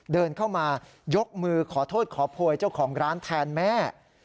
เดินเข้ามายกมือขอโทษขอโพยเจ้าของร้านแทนแม่